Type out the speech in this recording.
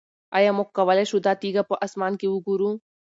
آیا موږ کولی شو دا تیږه په اسمان کې وګورو؟